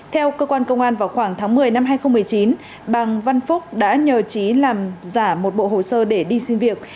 theo cơ quan công an vào khoảng tháng một mươi năm hai nghìn một mươi chín bằng văn phúc đã nhờ trí làm giả một bộ hồ sơ để đi xin việc